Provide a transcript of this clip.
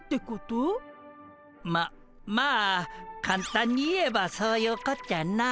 ままあかんたんに言えばそういうこっちゃな。